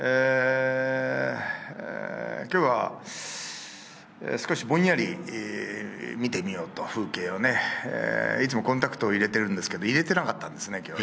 きょうは少しぼんやり見てみようと、風景をね、いつもコンタクトを入れてるんですけど、入れてなかったんですね、きょう。